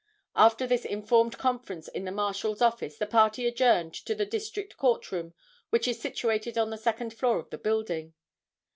After this informed conference in the Marshal's office the party adjourned to the District Court room which is situated on the second floor in the building.